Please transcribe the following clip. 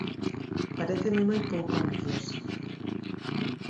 Paréceme moi pouco ambiciosa.